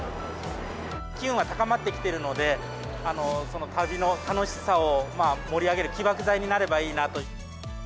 機運は高まってきているので、旅の楽しさを盛り上げる起爆剤になればいいなと。